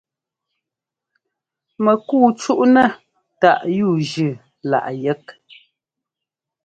Mɛkúu cúꞌnɛ́ táꞌ yúujʉ́ láꞌ yɛ́k.